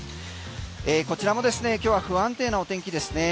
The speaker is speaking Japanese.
こちらもですね今日は不安定なお天気ですね。